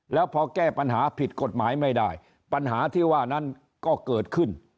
แล้วพอแก้ปัญหาผิดกฎหมายไม่ได้ปัญหาที่ว่านั้นก็เกิดขึ้น